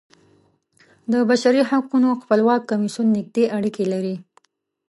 د بشري حقونو خپلواک کمیسیون نږدې اړیکې لري.